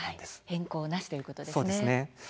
変更なしということですね。